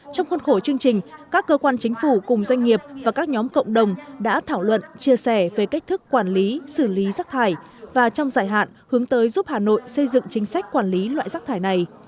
trong khuôn khổ chương trình các cơ quan chính phủ cùng doanh nghiệp và các nhóm cộng đồng đã thảo luận chia sẻ về cách thức quản lý xử lý rắc thải và trong dài hạn hướng tới giúp hà nội xây dựng chính sách quản lý loại rác thải này